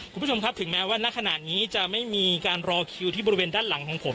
คุณผู้ชมครับถึงแม้ว่าณขณะนี้จะไม่มีการรอคิวที่บริเวณด้านหลังของผม